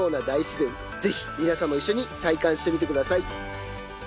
是非皆さんも一緒に体感してみてください。